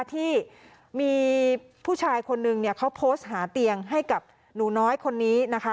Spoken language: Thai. ที่มีผู้ชายคนนึงเนี่ยเขาโพสต์หาเตียงให้กับหนูน้อยคนนี้นะคะ